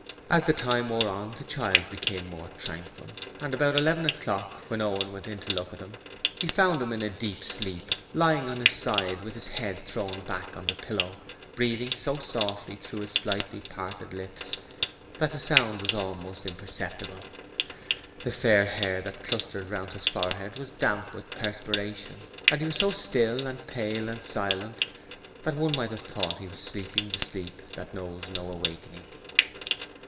As the time wore on, the child became more tranquil, and about eleven o'clock, when Owen went in to look at him, he found him in a deep sleep, lying on his side with his head thrown back on the pillow, breathing so softly through his slightly parted lips that the sound was almost imperceptible. The fair hair that clustered round his forehead was damp with perspiration, and he was so still and pale and silent that one might have thought he was sleeping the sleep that knows no awakening.